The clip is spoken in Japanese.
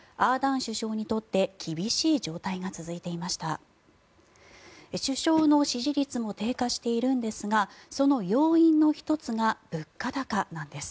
首相の支持率も低下しているんですがその要因の１つが物価高なんです。